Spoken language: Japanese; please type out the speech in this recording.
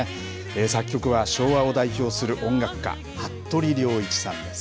作曲は昭和を代表する音楽家服部良一さんです。